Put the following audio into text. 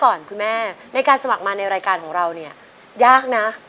ก่อนคุณแม่ในการสมัครมาในรายการของเราเนี่ยยากนะ